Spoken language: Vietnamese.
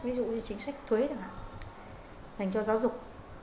ví dụ như chính sách thuế chẳng hạn dành cho giáo dục